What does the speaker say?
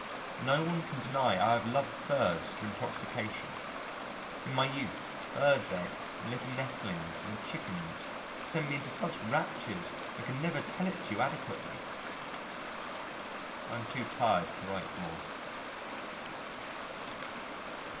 No one can deny I have loved Birds to intoxication. In my youth, birds' eggs, and little nestlings and chickens sent me into such raptures I could never tell it to you adequately.... I am too tired to write more.